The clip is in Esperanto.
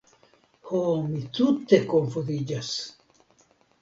ho, mi tute konfuziĝas!